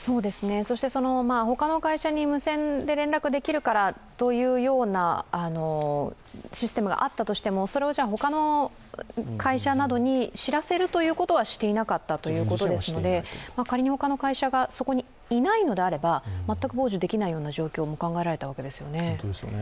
そして他の会社に無線で連絡できるからというようなシステムがあったとしても、それを他の会社に知らせるということはしていなかったということですので、仮に他の会社がそこにいないのであれば、全く傍受できないような状況も考えられたわけですよね。